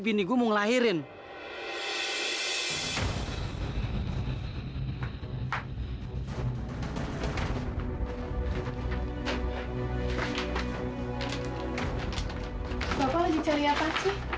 bapak lagi cari apa sih